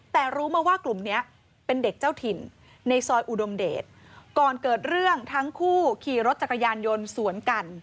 แต่รู้มาว่ากลุ่มนี้เป็นเด็กเจ้าถิ่นในซอยอุดมเดชก่อนเกิดเรื่องทั้งคู่ขี่รถจักรยานยนต์สวนกัน